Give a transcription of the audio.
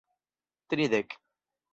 tridek